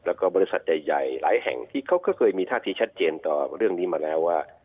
และก็บริษัทใหญ่หลายแห่งที่เขาก็เคยมีท่าทีชัดเจนว่า